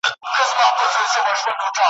څه خبر وم، دا خلک مين دي په تيارو